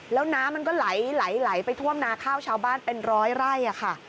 แล้วน้ำมันก็ไหลไปท่วมนาข้าวชาวบ้านเป็นร้อยไร่ค่ะ